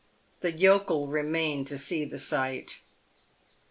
The yokel remained to see the sight.